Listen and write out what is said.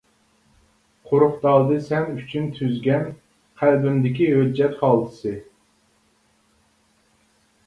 قۇرۇقدالدى سەن ئۈچۈن تۈزگەن، قەلبىمدىكى ھۆججەت خالتىسى.